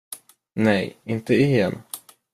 Nej, inte igen.